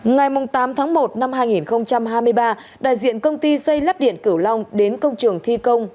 ngày tám tháng một năm hai nghìn hai mươi ba đại diện công ty xây lắp điện cửu long đến công trường thi công